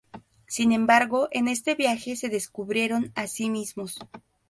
Sin embargo, en este viaje, se descubrieron a sí mismos.